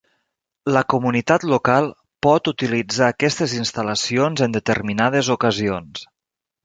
La comunitat local pot utilitzar aquestes instal·lacions en determinades ocasions.